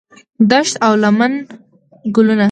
دښت او لمن ګلونه